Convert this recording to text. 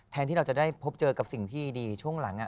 ที่เราจะได้พบเจอกับสิ่งที่ดีช่วงหลัง